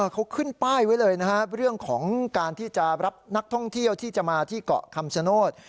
เขาขึ้นป้ายไว้เลยนะครับเรื่องของการที่จะรับนักท่องเที่ยวที่จะมาที่เกาะคำชโนธ